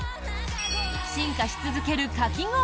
進化し続けるかき氷。